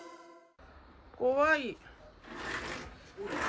怖い。